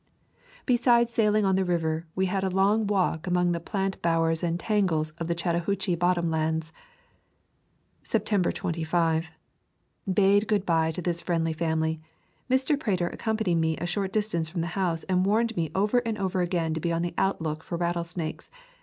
Besides sailing on the river, we had a long walk among the plant bowers and tangles of the Chattahoochee bottom lands. September 25. Bade good bye to this friendly family. Mr. Prater accompanied me a short distance from the house and warned me over and over again to be on the outlook for rattle snakes.